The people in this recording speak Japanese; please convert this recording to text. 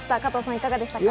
いかがでしたか？